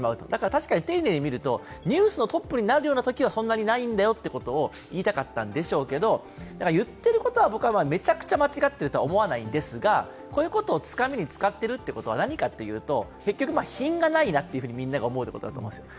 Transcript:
確かに丁寧に見るとニュースのトップになるようなことはそんなにないよと言いたかったんでしょうけど言っていることはめちゃくちゃ間違っているとは思わないんですがこういうことをつかみに使っているということは結局何かというと結局、品がないなとみんなが思うということなんですよ。